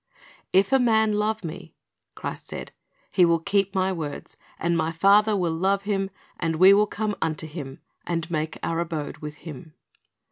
"If a man love Me," Christ said, "he will keep My words; and My Father will love him, and we will come unto him, and make our abode with him."